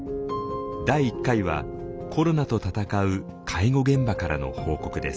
第１回はコロナと闘う介護現場からの報告です。